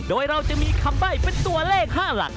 โดยเราจะมีคำใบ้เป็นตัวเลข๕หลัก